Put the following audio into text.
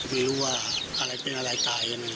ไม่รู้ว่าอะไรเป็นอะไรตายกัน